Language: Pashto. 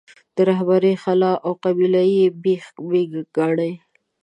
د رهبرۍ خلا او قبیله یي بېخ بناګانې.